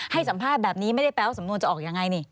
ให้สัมภาษณ์แบบนี้ไม่ได้แปลว่าสำนวนจะออกยังไงนี่